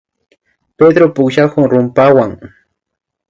Pedro pukllakun rumpawan